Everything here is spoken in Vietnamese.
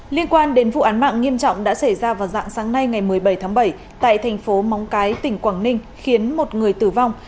liên quan đến vụ án mạng nghiêm trọng đã xảy ra vào dạng sáng nay ngày một mươi bảy tháng bảy tại thành phố móng cái tỉnh quảng ninh khiến một người tử vong